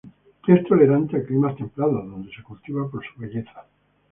Es tolerante a climas templados donde se cultiva por su belleza.